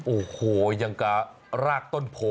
โอ้โฮอย่างกะรากต้นโผ